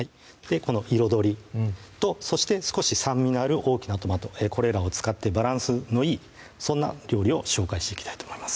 この彩りとそして少し酸味のある大きなトマトこれらを使ってバランスのいいそんな料理を紹介していきたいと思います